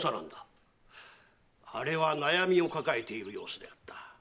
あれは悩みを抱えている様子であった。